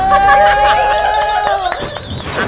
เอาแล้ว